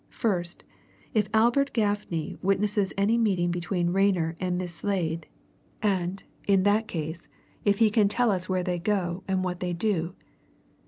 First, if Albert Gaffney witnesses any meeting between Rayner and Miss Slade, and, in that case, if he can tell us where they go and what they do.